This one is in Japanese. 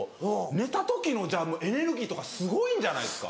寝た時のエネルギーとかすごいんじゃないですか？